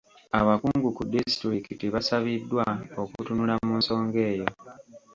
Abakungu ku disitulikiti basabiddwa okutunula mu nsonga eyo.